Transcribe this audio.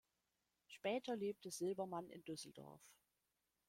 Später lebte Silbermann in Düsseldorf.